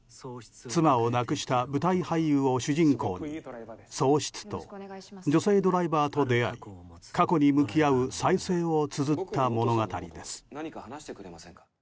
妻を亡くした舞台俳優を主人公に、喪失と女性ドライバーと出会い過去に向き合う再生をつづった物語です。